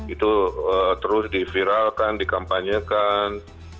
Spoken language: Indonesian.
itu terus diviralkan dikampanyekan